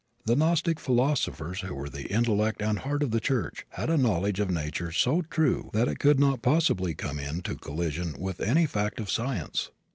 The Gnostic philosophers, who were the intellect and heart of the church, had a knowledge of nature so true that it could not possibly come into collision with any fact of science.